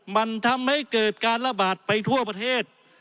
มันทำให้เกิดการระบาดไปทั่วประเทศ